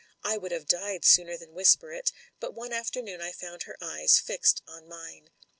I would have died sooner than whisper it; but one afternoon I found her eyes fixed on mine.